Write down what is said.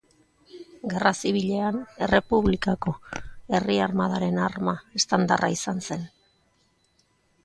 Gerra Zibilean, Errepublikako Herri Armadaren arma estandarra izan zen.